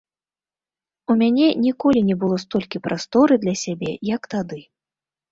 У мяне ніколі не было столькі прасторы для сябе, як тады.